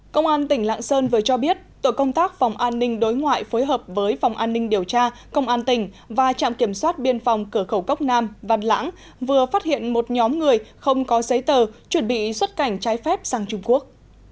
công an tỉnh lạng sơn vừa cho biết tổ công tác phòng an ninh đối ngoại phối hợp với phòng an ninh điều tra công an tỉnh và trạm kiểm soát biên phòng cửa khẩu cốc nam văn lãng vừa phát hiện một nhóm người không có giấy tờ chuẩn bị xuất cảnh trái phép sang trung quốc